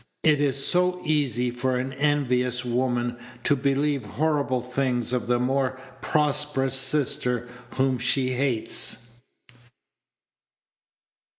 It is so easy for an envious woman to believe horrible things of the more prosperous sister whom she hates.